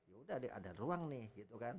ya udah deh ada ruang nih gitu kan